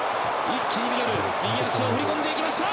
一気にミドル右足を振り込んできました。